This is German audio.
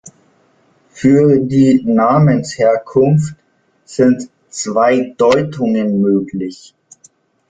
Für die Namensherkunft sind zwei Deutungen möglich.